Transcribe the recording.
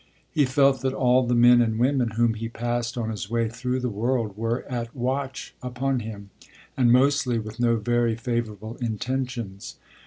He felt that all the men and women whom he passed on his way through the world were at watch upon him, and mostly with no very favourable intentions.